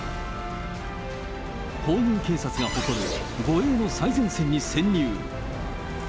皇宮警察が誇る護衛の最前線に潜入。